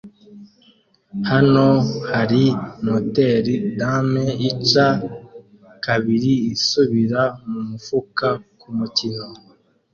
Hano hari notre dame ica kabiri isubira mumufuka kumukino